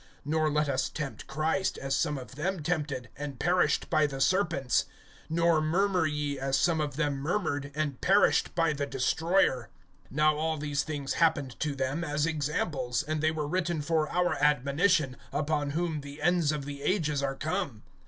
(9)Nor let us tempt Christ, as some of them tempted, and perished by the serpents. (10)Nor murmur ye, as some of them murmured, and perished by the destroyer. (11)Now all these things happened to them as examples, and they were written for our admonition, upon whom the ends of the ages are come.